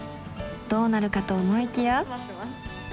どうなるかと思いきや。